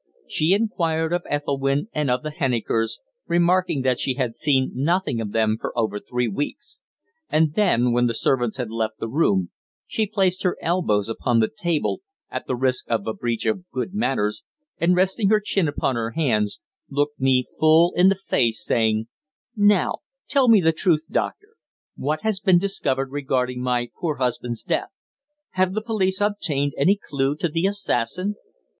She inquired of Ethelwynn and of the Hennikers, remarking that she had seen nothing of them for over three weeks; and then, when the servants had left the room, she placed her elbows upon the table, at the risk of a breach of good manners, and resting her chin upon her hands, looked me full in the face, saying: "Now, tell me the truth, Doctor. What has been discovered regarding my poor husband's death? Have the police obtained any clue to the assassin?"